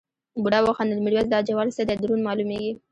بوډا وخندل میرويس دا جوال څه دی دروند مالومېږي.